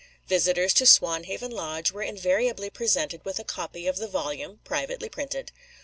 Visitors to Swanhaven Lodge were invariably presented with a copy of the volume (privately printed).